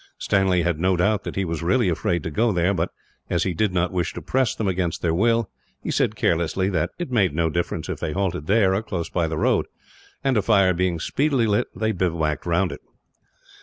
Stanley had no doubt that he was really afraid to go there but, as he did not wish to press them against their will, he said carelessly that it made no difference if they halted there, or close by the road, and a fire being speedily lit, they bivouacked round it.